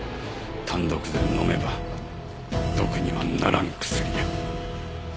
単独で飲めば毒にはならん薬や。